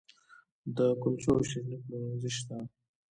د کلچو او شیریني پلورنځي شته